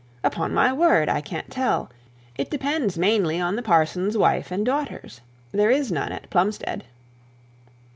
'Upon my word, I can't tell; it depends mainly on the parson's wife and daughters. There is none at Plumstead.'